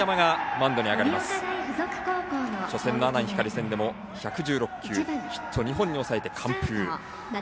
初戦の阿南光戦でも１１６球ヒット２本に抑えて完封。